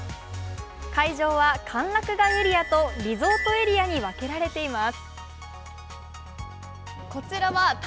会場は歓楽街エリアとリゾートエリアに分けられています。